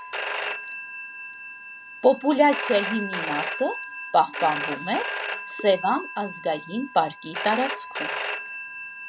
Պոպուլյացիայի մի մասը պահպանվում է «Սևան» ազգային պարկի տարածքում։